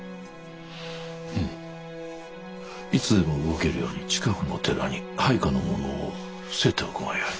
うんいつでも動けるように近くの寺に配下の者を伏せておくがよい。